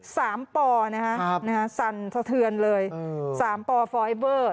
สามป่อนะครับสั่นสะเทือนเลยสามป่อฟอยเบอร์